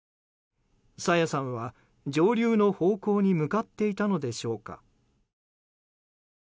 朝芽さんは上流の方向に向かっていたのでしょうか。